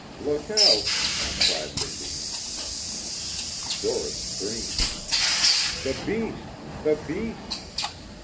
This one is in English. "Look out!" cried Levine. Doris screamed. "The beast ... the beast!"